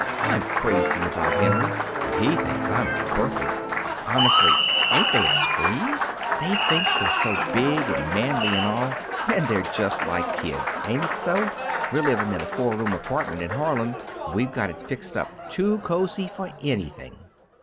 I'm crazy about Henry, and he thinks I'm perfect. Honestly, ain't they a scream! They think they're so big and manly and all, and they're just like kids; ain't it so? We're living in a four room apartment in Harlem. We've got it fixed up too cozy for anything."